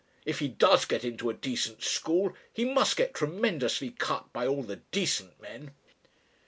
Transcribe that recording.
If he does get into a decent school, he must get tremendously cut by all the decent men."